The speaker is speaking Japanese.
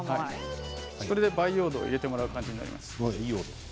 それで培養土を入れてもらう感じになります。